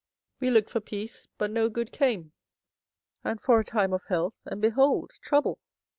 24:008:015 We looked for peace, but no good came; and for a time of health, and behold trouble!